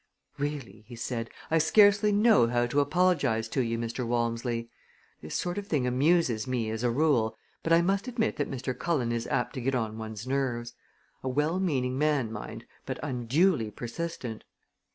"Really," he said, "I scarcely know how to apologize to you, Mr. Walmsley. This sort of thing amuses me, as a rule; but I must admit that Mr. Cullen is apt to get on one's nerves. A well meaning man, mind, but unduly persistent!"